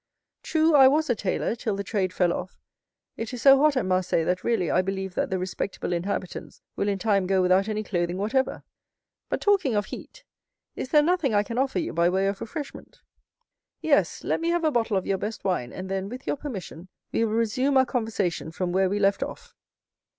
"True, I was a tailor, till the trade fell off. It is so hot at Marseilles, that really I believe that the respectable inhabitants will in time go without any clothing whatever. But talking of heat, is there nothing I can offer you by way of refreshment?" "Yes; let me have a bottle of your best wine, and then, with your permission, we will resume our conversation from where we left off."